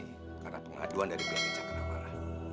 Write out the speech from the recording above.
polisi karena pengaduan dari pt cakrawala